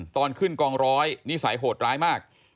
ตอนขึ้นกองร้อยนิสัยโหดร้ายมาก